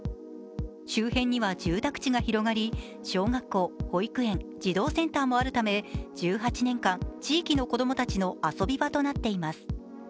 周辺には住宅地が広がり小学校、保育園、児童センターもあるため１８年間、地域の子供たちの遊び場となっています。